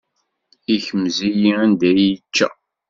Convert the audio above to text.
Ikmez-iyi anda i yi-ičča.